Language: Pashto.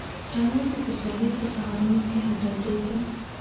تنور د پسرلي په سهارونو کې هم تودېږي